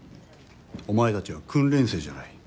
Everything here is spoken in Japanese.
お前たちは訓練生じゃない。